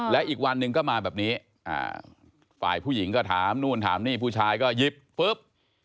และอีกวันหนึ่งก็มาแบบนี้ฝ่ายผู้หญิงก็ถามนู่นถามนี่ผู้ชายก็หยิบปุ๊บ